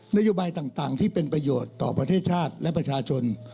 นโยบายต่างที่เป็นประโยชน์ต่อประเทศชาติและประชาชน